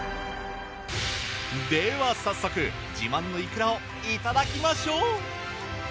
では早速自慢のいくらをいただきましょう！